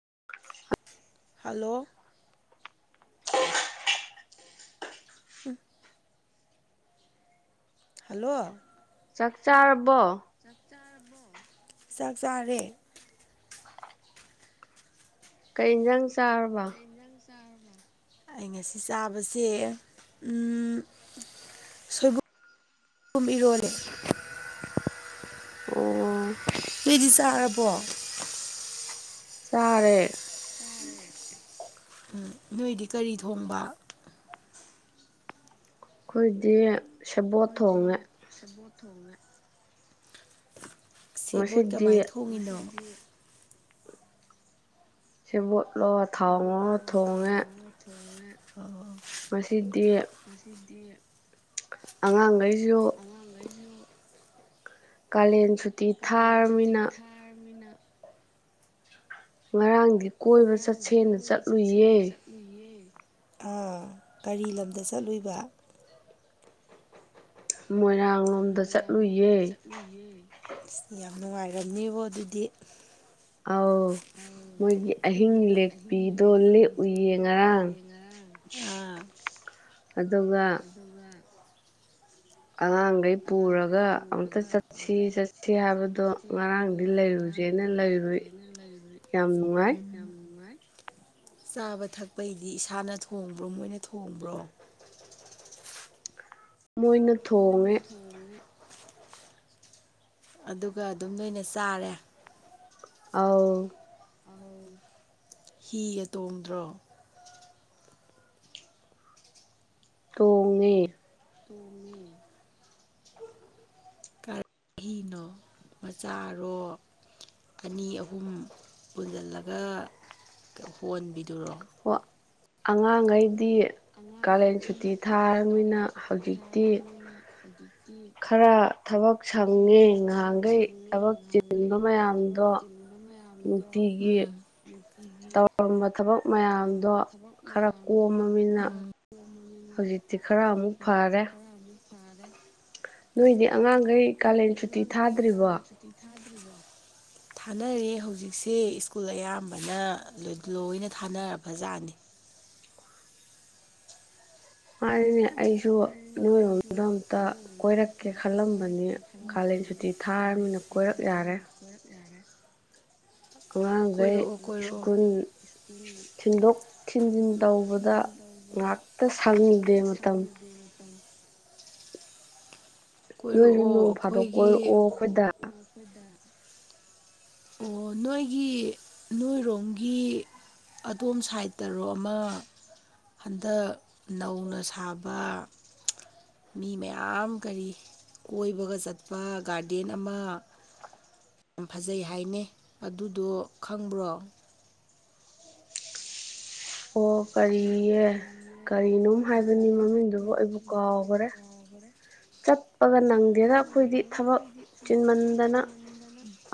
[inaudible] hello [unintelligible] ꯎꯝ hello ꯆꯥꯛꯆꯥꯔ ꯕꯣ ꯆꯥꯛ ꯆꯥꯔꯦ ꯀꯩ ꯏꯟꯖꯥꯡ ꯇꯥꯔꯕꯣ ꯑꯩ ꯉꯁꯤ ꯆꯥꯕꯁꯦ ꯁꯣꯏꯕꯨꯝ ꯏꯔꯣꯜꯂꯦ ꯑꯣ ꯅꯗꯤ ꯆꯥꯔꯕꯣ ꯆꯔꯦ ꯎꯝ ꯅꯣꯏꯗꯤ ꯀꯔꯤ ꯊꯣꯡꯕ ꯑꯩꯈꯣꯏꯗꯤ ꯁꯦꯕꯣꯠ ꯊꯣꯡꯉꯦ ꯑꯩꯈꯣꯏꯗꯤ ꯁꯤꯕꯣꯠ ꯊꯣꯡꯉꯦ ꯁꯦꯕꯣꯠ ꯉꯁꯤꯗꯤ ꯀꯃꯥꯏꯅ ꯊꯣꯡꯉꯤꯅꯣ ꯁꯤꯕꯣ ꯁꯦꯝꯃꯣꯠꯂꯣ ꯊꯥꯥꯎꯣ ꯆꯣꯅ ꯑ ꯃꯁꯤꯗꯤ [unintelligible] ꯑꯉꯥꯡꯈꯩꯁꯨ ꯀꯥꯂꯦꯟ ꯁꯨꯇꯤ ꯊꯥꯔꯕꯃꯤꯅ ꯉꯔꯥꯡꯗꯤ ꯀꯣꯏꯕ ꯉꯔꯥꯡꯗꯤ ꯆꯠꯁꯦꯅ ꯀꯣꯏꯕ ꯆꯠꯂꯨꯏꯌꯦ ꯆꯠꯁꯦꯅ ꯆꯠꯂꯤꯌꯦ ꯑꯥ ꯀꯔꯤ ꯂꯝꯗ ꯆꯠꯂꯣꯏꯕ ꯃꯣꯏꯔꯥꯡꯂꯣꯝꯗ ꯆꯠꯂꯨꯌꯦ ꯑ ꯌꯥꯝ ꯅꯨꯡꯉꯥꯏꯔꯝꯅꯦꯕ ꯑꯗꯨꯗꯤ ꯑꯥꯎꯧ ꯃꯣꯏꯒꯤ ꯑꯍꯤꯡ ꯂꯦꯛꯄꯤꯗꯣ ꯂꯦꯛꯞꯎꯌꯦ ꯉꯔꯥꯡ ꯑꯥ ꯑꯗꯨꯒ ꯑꯉꯥꯡꯈꯩ ꯄꯨꯔꯒ ꯑꯝꯇ ꯆꯠꯁꯤ ꯆꯠꯁꯤ ꯍꯥꯏꯕꯗꯣ ꯉꯔꯥꯡꯗꯤ ꯂꯩꯔꯨꯁꯦꯅ ꯂꯩꯕ ꯌꯥꯝ ꯅꯨꯡꯉꯥꯏ ꯌꯥꯝ ꯅꯨꯡꯉꯥꯏ ꯆꯥꯕ ꯊꯛꯄꯒꯤꯗꯤ ꯏꯁꯥꯅ ꯊꯣꯡꯕ꯭ꯔꯣ ꯃꯣꯏꯅ ꯊꯣꯡꯕ꯭ꯔꯣ ꯃꯣꯏꯅ ꯊꯣꯡꯉꯦ ꯑꯗꯨꯒ ꯑꯗꯨꯝ ꯅꯣꯏꯅ ꯆꯥꯔꯦ ꯑꯥꯎ ꯍꯤꯒ ꯇꯣꯡꯗ꯭ꯔꯣ ꯇꯣꯡꯉꯦ ꯇꯅꯤ ꯑꯤꯅꯣ ꯃꯆꯥꯔꯣ ꯑꯅꯤ ꯑꯍꯨꯝ ꯄꯨꯟꯁꯤꯜꯂꯒ ꯍꯣꯟꯕꯤꯗꯨꯔꯣ ꯋꯥ ꯁꯨꯇꯤ ꯑꯉꯥꯡꯈꯩꯗꯤ ꯊꯥꯔꯕꯅꯤꯅ ꯀꯥꯔꯦꯟ ꯁꯨꯇꯤ ꯍꯧꯖꯤꯛꯇꯤ ꯊꯥꯕꯅꯤ ꯍꯧꯖꯤꯛꯇꯤ ꯈꯔ ꯊꯕꯛ ꯈꯔ ꯁꯪꯉꯦ ꯊꯕꯛ ꯉꯍꯥꯟꯈꯩ ꯁꯪꯉꯦ ꯊꯕꯛ ꯆꯤꯟꯕ ꯅꯍꯥꯟꯈꯩ ꯊꯕꯛ ꯃꯌꯥꯝꯗꯣ ꯇꯤꯟꯕ ꯃꯌꯥꯝꯗꯣ ꯅꯨꯡꯇꯤꯒꯤ ꯇꯧꯔꯝꯕ ꯊꯕꯛ ꯃꯌꯥꯝꯗꯣ ꯈꯔ ꯀꯣꯝꯃꯃꯤꯅ ꯎꯝ ꯍꯧꯖꯤꯛꯇꯤ ꯈꯔ ꯑꯃꯨꯛ ꯐꯔꯦ ꯐꯥꯔ ꯅꯣꯏꯗꯤ ꯑꯉꯥꯡꯈꯩ ꯀꯥꯂꯦꯟ ꯁꯨꯇꯤ ꯊꯥꯗ꯭ꯔꯤꯕꯣ ꯊꯥꯅꯔꯦ ꯍꯧꯖꯤꯛꯁꯦ ꯁ꯭ꯀꯨꯜ ꯑꯌꯥꯝꯕꯅ ꯂꯣꯏꯅ ꯊꯥꯅ ꯐꯖꯥꯠꯅꯤ ꯑꯅꯤ ꯑꯩꯁꯨ ꯅꯣꯏ ꯌꯣꯗꯣ ꯑꯝꯇ ꯀꯣꯏꯔꯛꯀꯦ ꯈꯜꯂꯝꯕꯅꯤ ꯀꯥꯂꯦꯟ ꯁꯨꯇꯤ ꯊꯥꯔꯕꯅꯤꯅ ꯀꯣꯏꯔꯛ ꯌꯥꯔꯦ ꯑꯉꯥꯡꯈꯩ ꯀꯣꯏꯔꯛꯑꯣ ꯀꯣꯏꯔꯛꯑꯣ ꯁ꯭ꯀꯨꯜ ꯊꯤꯟꯗꯣꯛ ꯊꯤꯟꯖꯤꯟ ꯇꯧꯕꯗ ꯉꯥꯛꯇ ꯁꯪꯗꯦ ꯃꯇꯝ ꯐꯅꯤ ꯅꯣꯏꯁꯨ ꯅꯣꯡ ꯀꯣꯏꯔꯛꯑꯣ ꯐꯥꯗꯣꯛ ꯀꯣꯏꯔꯛꯑꯣ ꯑꯩꯈꯣꯏꯗ ꯑꯩꯈꯣꯏꯒꯤ ꯃꯗ ꯑꯣ ꯅꯣꯏꯒꯤ ꯅꯣꯏꯔꯣꯝꯒꯤ ꯑꯗꯣꯝ ꯁꯥꯏꯠꯇꯔꯣ ꯑꯃ ꯍꯟꯗꯛ ꯅꯧꯅ ꯁꯥꯕ ꯃꯤ ꯃꯌꯥꯝ ꯀꯔꯤ ꯀꯣꯏꯕꯒ ꯆꯠꯄ ꯒꯥꯔꯗꯦꯟ ꯑꯃ ꯌꯥꯝ ꯐꯖꯩ ꯍꯥꯏ ꯍꯥꯏꯅꯦ ꯑꯗꯨꯗꯣ ꯈꯪꯕ꯭ꯔꯣ ꯑꯣ ꯀꯔꯤꯌꯦ ꯀꯔꯤꯅꯣꯝ ꯍꯥꯏꯕꯅꯤ ꯃꯃꯤꯡꯗꯨꯕꯨ ꯑꯩꯕꯨ ꯀꯥꯎꯈ꯭ꯔꯦ ꯆꯠꯄꯒ ꯅꯪꯗꯦꯅ ꯑꯩꯈꯣꯏꯗꯤ ꯊꯕꯛ ꯆꯤꯟꯃꯟꯗꯅ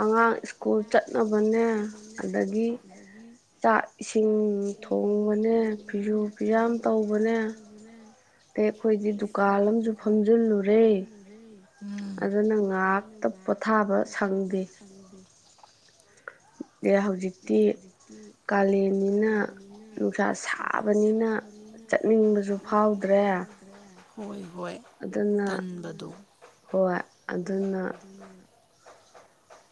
ꯑꯉꯥꯡ ꯁ꯭ꯀꯨꯜ ꯆꯠꯅꯕꯅꯦ ꯑꯗꯒꯤ ꯆꯥꯛ ꯏꯁꯤꯡ ꯏ ꯊꯣꯡꯕꯅꯦ ꯇꯨꯕꯅꯦ ꯐꯤꯁꯨ ꯐꯤꯖꯨ ꯐꯤꯌꯥꯝ ꯇꯨꯕꯅꯦ ꯇ ꯑꯩꯈꯣꯏꯗꯤ ꯗꯨꯀꯥꯟ ꯑꯃꯁꯨ ꯐꯝꯖꯤꯜꯂꯨꯔꯦ ꯎꯝ ꯑꯗꯨ ꯅ ꯉꯥꯛꯇ ꯄꯣꯊꯥꯕ ꯁꯪꯗꯦ ꯑꯦ ꯍꯧꯖꯤꯛꯇꯤ ꯀꯥꯂꯦꯟꯅꯤꯅ ꯅꯨꯡꯁꯥ ꯁꯥꯕꯅꯤꯅ ꯆꯠꯅꯤꯡꯕꯁꯨ ꯐꯥꯎꯗ꯭ꯔꯦ ꯍꯣꯏ ꯍꯣꯏ ꯑꯗꯨꯅ ꯇꯟꯕꯗꯣ ꯍꯣꯏ ꯑꯗꯨꯅ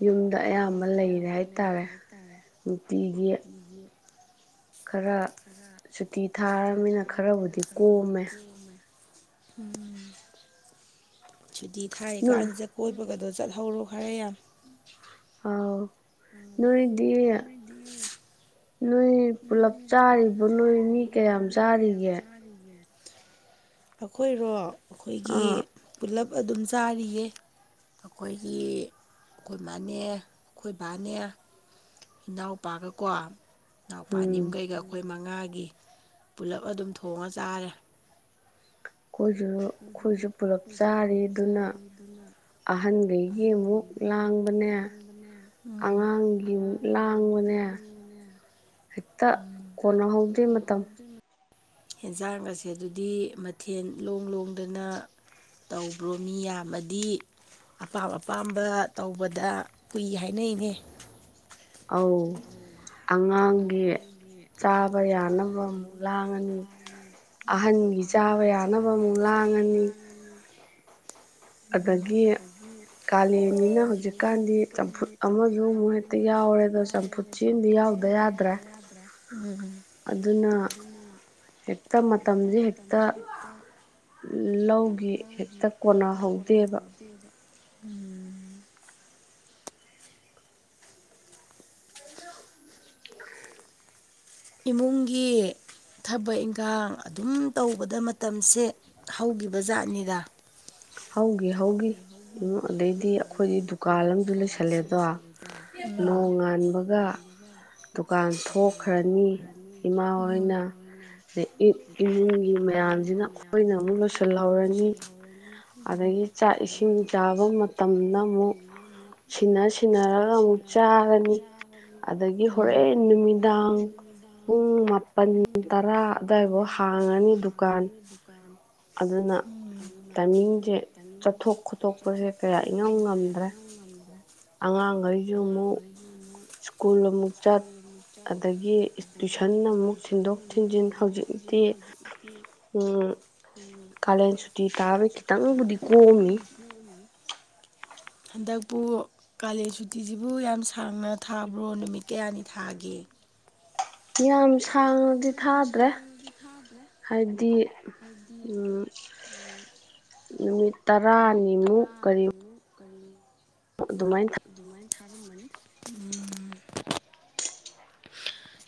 ꯌꯨꯝꯗ ꯑꯌꯥꯝꯕ ꯂꯩꯔꯦ ꯍꯥꯏꯇꯥꯔꯦ ꯅꯨꯡꯇꯤꯒꯤ ꯈꯔ ꯁꯨꯇꯤ ꯊꯥꯔꯅꯤꯅ ꯈꯔꯕꯨꯗꯤ ꯀꯣꯝꯃꯦ ꯎꯝ ꯁꯨꯇꯤ ꯊꯥꯏ ꯀꯥꯟꯁꯤꯗ ꯀꯣꯏꯕꯒ ꯑꯗꯣ ꯆꯠꯍꯧꯔꯣ ꯈꯔꯦ ꯌꯥꯝ ꯑꯥꯎ ꯅꯣꯏꯗꯤ ꯅꯣꯏ ꯄꯨꯂꯞ ꯆꯥꯔꯤꯕ ꯅꯣꯏ ꯃꯤ ꯀꯌꯥꯝ ꯆꯥꯔꯤꯒꯦ ꯑꯩꯈꯣꯏꯔꯣ ꯑꯩꯈꯣꯏꯒꯤ ꯑꯥ ꯄꯨꯂꯞ ꯑꯗꯨꯝ ꯆꯥꯔꯤꯌꯦ ꯑꯩꯈꯣꯏꯒꯤ ꯑꯩꯈꯣꯏ ꯏ ꯃꯥꯅꯦ ꯑꯩꯣꯏꯕꯥꯅꯦ ꯏꯅꯥꯎꯄꯥꯒꯀꯣ ꯅ ꯄꯅꯤꯝ ꯎꯝ ꯑꯩꯈꯣꯏ ꯃꯉꯥꯒꯤ ꯄꯨꯂꯞ ꯑꯗꯨꯝ ꯊꯣꯡꯉ ꯆꯥꯔꯦ ꯑꯩꯈꯣꯏꯁꯨ ꯎ ꯑꯩꯈꯣꯏꯁꯨ ꯄꯨꯂꯞ ꯎꯁꯨ ꯆꯥꯔꯤ ꯄꯨꯂꯞ ꯑꯗꯨꯅ ꯆꯥꯔꯤꯗꯨꯅ ꯑꯍꯟꯈꯩꯒꯤ ꯑꯃꯨꯛ ꯑꯍꯟꯒꯤ ꯃꯨꯛ ꯂꯥꯡꯕꯅꯦ ꯂꯥꯡꯕꯅꯦ ꯑꯉꯥꯡꯒꯤ ꯑꯃꯨꯛ ꯑꯉꯥꯡꯒꯤ ꯃꯨꯛ ꯂꯥꯡꯕꯅꯦ ꯂꯥꯡꯕꯅꯦ ꯍꯦꯛꯇ ꯍꯦꯛꯇꯥ ꯀꯣꯟꯅꯍꯧꯗꯦ ꯃꯇꯝ [unintelligible] ꯍꯦꯟꯁꯥꯡ ꯑꯁꯦ ꯑꯗꯨꯗꯤ ꯃꯊꯦꯜ ꯂꯣꯡ ꯂꯣꯡꯗꯅ ꯇꯧꯕ꯭ꯔꯣ ꯃꯤ ꯌꯥꯝ ꯑꯃꯗꯤ ꯑꯄꯥꯝ ꯑꯄꯥꯝꯕ ꯇꯧꯕꯗ ꯀꯏ ꯍꯥꯏꯅꯩꯅꯦ ꯑꯧ ꯑꯉꯥꯡꯒꯤ ꯆꯥꯕ ꯌꯥꯅꯕ ꯑꯃꯨꯛ ꯂꯥꯡꯉꯅꯤ ꯑꯍꯟꯒꯤ ꯆꯥꯕ ꯌꯥꯅꯕ ꯑꯃꯨꯛ ꯂꯥꯡꯉꯅꯤ ꯑꯗꯒꯤ ꯀꯥꯂꯦꯟꯅꯤꯅ ꯍꯧꯖꯤꯛꯀꯥꯟꯗꯤ ꯆꯝꯐꯨꯠ ꯑꯃꯁꯨ ꯑꯃꯨꯛ ꯍꯦꯛꯇ ꯌꯥꯎꯔꯦ ꯑꯗꯣ ꯆꯝꯐꯨꯠ ꯁꯤꯝꯗꯤ ꯌꯥꯎꯗ ꯌꯥꯗ꯭ꯔꯦ ꯎꯝ ꯑꯗꯨꯅ ꯍꯦꯛꯇ ꯃꯇꯝꯁꯦ ꯍꯦꯛꯇ ꯂꯧꯒꯤ ꯍꯦꯛꯇ ꯀꯣꯟꯅꯍꯧꯗꯦꯕ ꯍꯧꯗꯤꯗ ꯎꯝ ꯀꯩꯅ ꯏꯃꯨꯡꯒꯤ ꯊꯕꯛ ꯏꯟꯈꯥꯡ ꯑꯗꯨꯝ ꯇꯧꯕꯗ ꯃꯇꯝꯁꯦ ꯍꯧꯈꯤꯕ ꯖꯥꯠꯅꯤꯗ ꯍ‌ꯣꯒꯤ ꯍ‌ꯣꯒꯤ ꯑꯗꯩꯗꯤ ꯑꯩꯈꯣꯏꯒꯤ ꯗꯨꯀꯥꯟ ꯑꯃꯁꯨ ꯂꯩ ꯉꯥꯟꯕꯒ ꯗꯨꯀꯥꯟ ꯊꯣꯛꯈ꯭ꯔꯅꯤ ꯏꯃꯥ ꯎꯝ ꯍꯣꯏꯅ ꯑꯗꯩ ꯏꯃꯨꯡꯒꯤ ꯃꯌꯥꯝꯁꯤꯅ ꯑꯩꯈꯣꯏꯅ ꯑꯃꯨꯛ ꯂꯣꯏꯁꯤꯜꯍꯧꯔꯅꯤ ꯎꯝ ꯑꯗꯒꯤ ꯆꯥꯛ ꯏꯁꯤꯡ ꯆꯥꯕ ꯃꯇꯝꯗꯅꯥ ꯑꯃꯨꯛ ꯁꯤꯟꯅ ꯁꯤꯟꯅꯔꯒ ꯑꯃꯨꯛ ꯆꯥꯔꯅꯤ ꯑꯗꯒꯤ ꯎꯝ ꯍꯣꯔꯦꯟ ꯅꯨꯃꯤꯗꯥꯡ ꯄꯨꯡ ꯃꯥꯄꯜ ꯇꯔꯥ ꯑꯗꯨꯋꯥꯏꯐꯥꯎ ꯍꯥꯡꯉꯅꯤ ꯗꯨꯀꯥꯟ ꯑꯗꯨꯅ ꯇꯥꯏꯃꯤꯡꯁꯦ ꯆꯠꯊꯣꯛ ꯈꯣꯠꯇꯣꯛꯄꯁꯦ ꯀꯌꯥ ꯏꯉꯝ ꯉꯝꯗ꯭ꯔꯦ ꯑꯉꯥꯡꯈꯩꯁꯨ ꯑꯃꯨꯛ ꯁ꯭ꯀꯨꯜ ꯑꯃꯨꯛ ꯆꯠ ꯑꯗꯒꯤ ꯇꯨꯏꯁꯟ ꯑꯃꯨꯛ ꯊꯤꯟꯗꯣꯛ ꯊꯤꯟꯖꯤꯟ ꯍꯧꯖꯤꯛꯇꯤ ꯏꯝ ꯀꯥꯂꯦꯟ ꯁꯨꯇꯤ ꯇꯊꯥꯕꯩ ꯈꯤꯇꯪꯕꯨꯗꯤ ꯀꯣꯝꯃꯤ ꯍꯟꯗꯛ ꯄꯨꯨ ꯀꯥꯂꯦꯟ ꯁꯨꯇꯤꯁꯤꯕꯨ ꯌꯥꯝ ꯁꯥꯡꯅ ꯊꯥꯕ꯭ꯔꯣ ꯅꯨꯃꯤꯠ ꯀꯌꯥꯅꯤ ꯊꯥꯒꯦ ꯌꯥꯝꯁꯨ ꯁꯥꯡꯅꯗꯤ ꯊꯥꯗ꯭ꯔꯦ ꯍꯥꯏꯗꯤ ꯅꯨꯃꯤꯠ ꯇꯔꯥꯅꯤꯃꯨꯛ ꯀꯔꯤ ꯀꯔꯤ ꯑꯗꯨꯃꯥꯏꯅ ꯑꯗꯨꯃꯥꯏꯅ ꯊꯥ ꯎ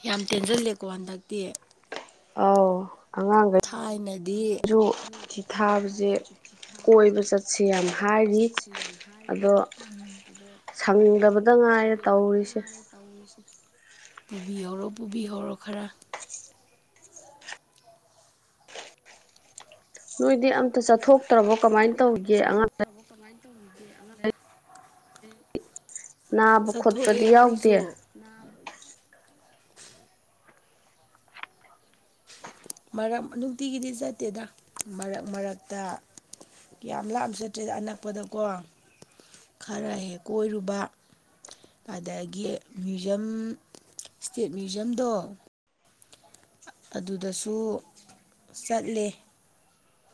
ꯌꯥꯝ ꯇꯦꯟꯖ ꯂꯀ ꯑꯗ ꯇꯦ ꯑꯧ ꯑꯉꯥꯡꯈꯩ ꯊꯥꯏꯅꯗꯤ ꯁꯨꯇꯤ ꯊꯥꯕꯁꯦ ꯀꯣꯏꯕ ꯆꯠꯁꯤ ꯌꯥꯝ ꯍꯥꯏꯔꯤ ꯑꯗꯣ ꯁꯪꯗꯕꯗ ꯉꯥꯏꯔꯦ ꯇꯧꯔꯤꯁꯦ ꯄꯨꯕꯤꯍꯧꯔꯣ ꯄꯨꯕꯤꯍꯧꯔꯣ ꯈꯔ ꯅꯣꯏꯗꯤ ꯑꯝꯇꯥ ꯆꯠꯊꯣꯛ ꯇ꯭ꯔꯕꯣ ꯀꯃꯥꯏꯅ ꯇꯧꯒꯦ ꯑꯉꯥꯡꯁ ꯑꯗꯤ ꯑꯔ ꯑꯩ ꯅꯥꯕ ꯆꯠꯊꯣꯛꯑꯦ ꯈꯣꯠꯄꯗꯤ ꯑꯈꯣꯏꯁꯨ ꯌꯥꯎꯗꯦ ꯃꯔꯛ ꯅꯨꯡꯇꯤꯒꯤꯗꯤ ꯆꯠꯇꯦꯗ ꯃꯔꯛ ꯃꯔꯛꯇ ꯌꯥꯝ ꯂꯥꯞ ꯆꯠꯇ꯭ꯔꯦꯗ ꯑꯅꯛꯄꯗꯀꯣ ꯈꯔ ꯍꯦꯛ ꯀꯣꯏꯔꯨꯕ ꯑꯗꯒꯤ ꯃ꯭ꯌꯨꯖꯝ ꯁ꯭ꯇꯦꯠ ꯃ꯭ꯌꯨꯖꯝꯗꯣ ꯑꯗꯨꯗꯁꯨ ꯆꯠꯂꯦ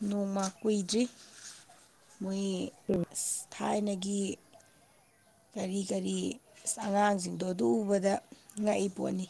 ꯅꯣꯡꯃꯥ ꯀꯨꯏꯗ꯭ꯔꯤ ꯃꯣꯏ ꯊꯥꯏꯅꯒꯤ ꯒꯤ ꯀꯔꯤ ꯀꯔꯤ ꯑꯉꯥꯡꯁꯤꯡꯗꯣ ꯑꯗꯨ ꯎꯕꯗ ꯉꯛꯏ ꯄꯣꯠꯅꯤ